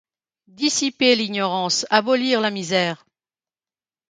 Dissiper l'ignorance, abolir la misère ;